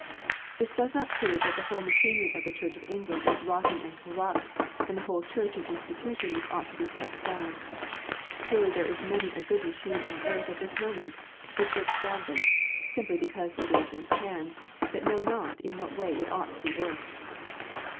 This does not prove that the whole machinery of the Church of England is rotten and corrupt, and the whole Church an institution which ought to be cast down. Surely there is many a good machine on earth at this moment which works badly, simply because it is in hands that know not in what way it ought to be worked.